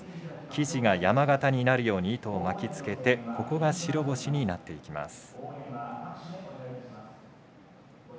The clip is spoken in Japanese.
生地が山型になるように糸を巻きつけてここが白星になっていきます。